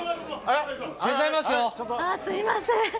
あぁすいません。